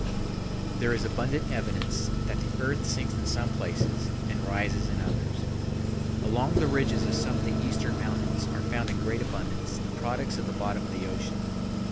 There is abundant evidence that the earth sinks in some places and rises in others. Along the ridges of some of the eastern mountains are found in great abundance the products of the bottom of the ocean.